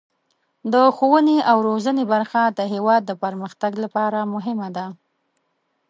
د ښوونې او روزنې برخه د هیواد د پرمختګ لپاره مهمه ده.